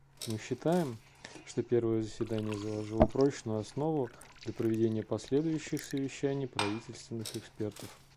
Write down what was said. Мы считаем, что первое заседание заложило прочную основу для проведения последующих совещаний правительственных экспертов.